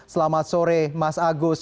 selamat sore mas agus